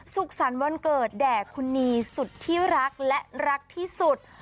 สุขสรรค์วันเกิดแด่คุณนีสุดที่รักและรักที่สุด